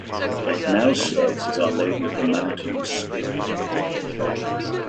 It now serves as Our Lady of the Mountains School.